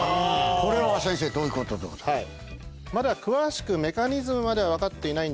これは先生どういうことでございましょう？